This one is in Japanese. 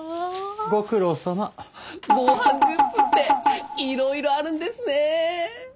ご苦労さま。防犯グッズっていろいろあるんですね！